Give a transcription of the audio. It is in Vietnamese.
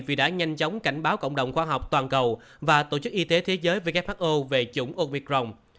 vì đã nhanh chóng cảnh báo cộng đồng khoa học toàn cầu và tổ chức y tế thế giới who về chủng ovicrong